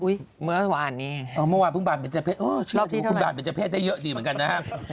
อุ๊ยเมื่อวานนี้รอบที่เท่าไรอ้อเชื่อดูคุณบาดเบรจเภสได้เยอะดีเหมือนกันนะครับ